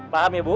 paham ya ibu